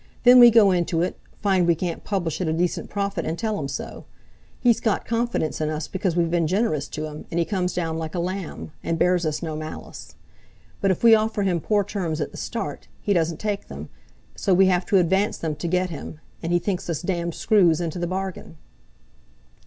Then we go into it, find we can't publish at a decent profit and tell him so. He's got confidence in us because we've been generous to him, and he comes down like a lamb, and bears us no malice. But if we offer him poor terms at the start, he doesn't take them, so we have to advance them to get him, and he thinks us damned screws into the bargain.